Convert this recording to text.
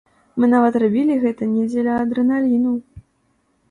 Мы нават рабілі гэта не дзеля адрэналіну.